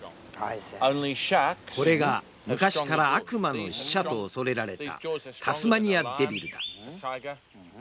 これが昔から悪魔の使者と恐れられたタスマニアデビル。